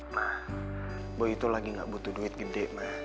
ma boy itu lagi enggak butuh duit gede ma